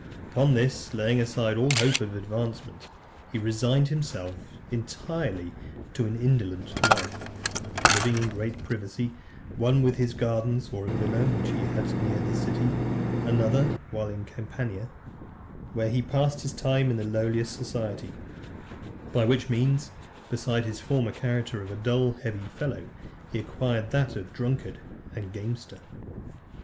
Upon this, laying aside all hope of advancement, he resigned himself entirely to an indolent life; living in great privacy, one while in his gardens, or a villa which he had near the city; another while in Campania, where he passed his time in the lowest society; by which means, besides his former character of a dull, heavy fellow, he acquired that of a drunkard and gamester.